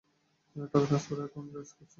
টাকা ট্রান্সফারের account trace করেছ?